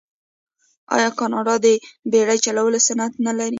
آیا کاناډا د بیړۍ چلولو صنعت نلري؟